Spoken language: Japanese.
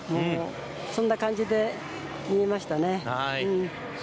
そんな感じに見えましたね。